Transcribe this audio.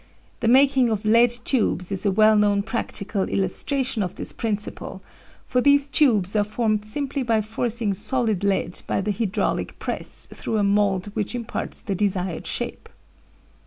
The making of lead tubes is a well known practical illustration of this principle, for these tubes are formed simply by forcing solid lead by the hydraulic press through a mould which imparts the desired shape.